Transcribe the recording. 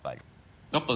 やっぱり。